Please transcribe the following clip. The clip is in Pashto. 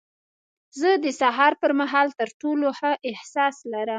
زه د سهار پر مهال تر ټولو ښه احساس لرم.